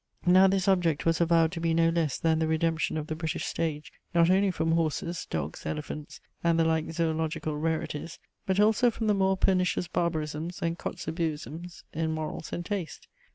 Now this object was avowed to be no less than the redemption of the British stage not only from horses, dogs, elephants, and the like zoological rarities, but also from the more pernicious barbarisms and Kotzebuisms in morals and taste.